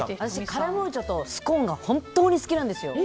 カラムーチョとスコーンが本当に好きなんですよ。